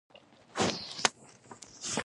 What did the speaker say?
د افغانستان په منظره کې د اوبو سرچینې ښکاره ده.